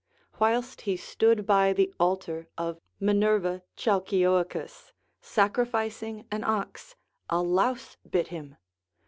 Whilst he stood by the altar of Minerva Chalcioecus sacrificing an ox, a louse bit him.